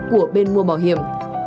của bên mua bảo hiểm